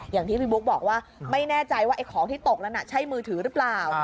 อย่างที่พี่บุ๊คบอกว่าไม่แน่ใจว่าไอ้ของที่ตกนั้นใช่มือถือหรือเปล่า